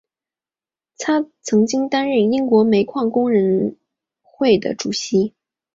他曾经担任英国煤矿工人工会的主席。